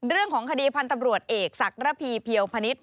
เรื่องของคดีพันธ์ตำรวจเอกศักดรพิวพณิชย์